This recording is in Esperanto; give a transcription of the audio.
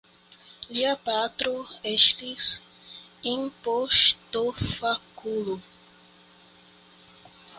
Lia patro estis impostofakulo.